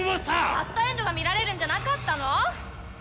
バッドエンドが見られるんじゃなかったの！？